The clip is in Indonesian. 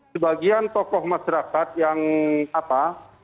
sebagian tokoh masyarakat yang apa